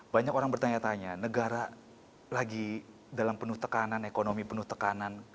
banyak orang bertanya tanya negara lagi dalam penuh tekanan ekonomi penuh tekanan